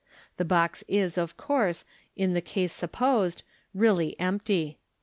The box is, of course, in the case supposed, really empty.